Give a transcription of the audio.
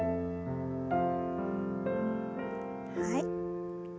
はい。